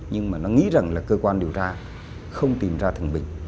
nhưng mà nó nghĩ rằng là cơ quan điều tra không tìm ra thường bình